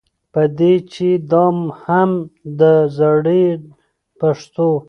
په دې چې دا هم د زړې پښتو